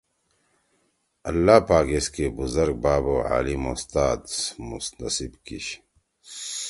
اللّٰہ پاک ایسکے بُزرگ باپ او عالم اُستاذ نصیب کی شی